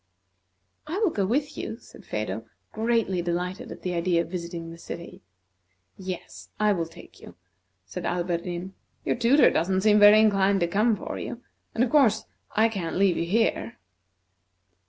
"I will go with you," said Phedo, greatly delighted at the idea of visiting the city. "Yes, I will take you," said Alberdin. "Your tutor don't seem inclined to come for you, and, of course, I can't leave you here."